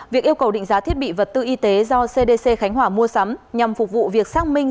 việc yêu cầu định giá thiết bị vật tư y tế do cdc khánh hòa mua sắm nhằm phục vụ việc xác minh